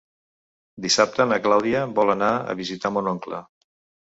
Dissabte na Clàudia vol anar a visitar mon oncle.